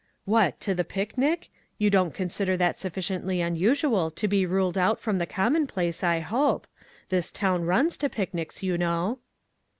" "What; to the picnic? You don't con sider that sufficiently unusual to be ruled out from the commonplace, I hope? This town runs to picnics, you know."